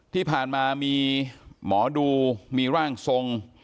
ที่ผ่านมามีหมอดูมีร่างทรง